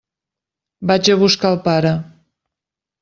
Vaig a buscar el pare.